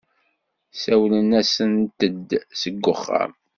Sawlen-asent-d seg wexxam.